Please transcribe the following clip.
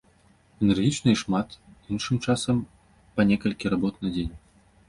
Энергічна і шмат, іншым часам па некалькі работ на дзень.